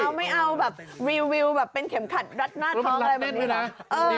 เขาไม่เอาแบบรีวิวแบบเป็นเข็มขัดรัดหน้าท้องอะไรแบบนี้นะ